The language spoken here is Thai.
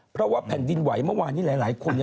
เพราะว่าแผ่นดินไหวเมื่อวานนี้หลายคนเนี่ย